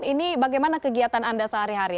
ini bagaimana kegiatan anda sehari hari